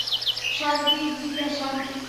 শান্তি জী না, শান্তি।